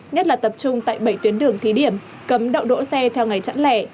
nhất là tập trung tại bảy tuyến đường thí điểm cấm đậu đỗ xe theo ngày chẵn lẻ